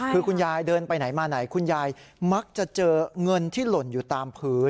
คือคุณยายเดินไปไหนมาไหนคุณยายมักจะเจอเงินที่หล่นอยู่ตามพื้น